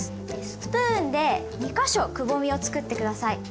スプーンで２か所くぼみをつくって下さい。